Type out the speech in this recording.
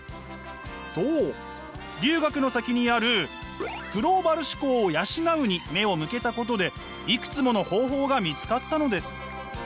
そう留学の先にある「グローバル思考を養う」に目を向けたことでいくつもの方法が見つかったのです。